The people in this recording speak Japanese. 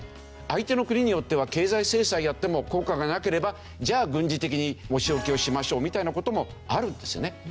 相手の国によっては経済制裁やっても効果がなければじゃあ軍事的にお仕置きをしましょうみたいな事もあるんですよね。